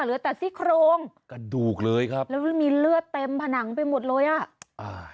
เหลือแต่ซี่โครงกระดูกเลยครับแล้วมันมีเลือดเต็มผนังไปหมดเลยอ่ะอ่า